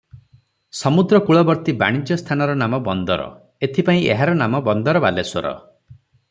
ସମୁଦ୍ର କୂଳବର୍ତ୍ତୀ ବାଣିଜ୍ୟ ସ୍ଥାନର ନାମ ବନ୍ଦର, ଏଥିପାଇଁ ଏହାର ନାମ ବନ୍ଦର ବାଲେଶ୍ୱର ।